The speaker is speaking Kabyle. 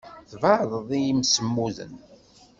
Tɛebded imsemmuden.